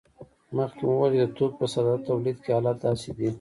مخکې مو وویل چې د توکو په ساده تولید کې حالت داسې دی